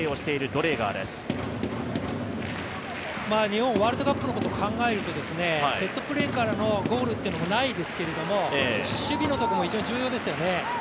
日本、ワールドカップのことを考えると、セットプレーからのゴールっていうのもないですけど守備のところも非常に重要ですよね。